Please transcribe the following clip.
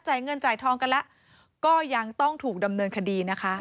เงินจ่ายทองกันแล้วก็ยังต้องถูกดำเนินคดีนะคะ